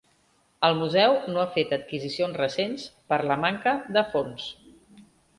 El museu no ha fet adquisicions recents per la manca de fons.